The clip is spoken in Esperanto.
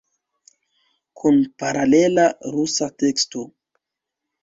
Kun paralela rusa teksto.